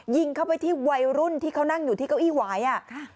ยิงเข้าไปที่วัยรุ่นที่เขานั่งอยู่ที่เก้าอี้หวายอ่ะค่ะ